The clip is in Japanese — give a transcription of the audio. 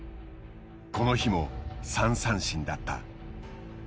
この日も３三振だった。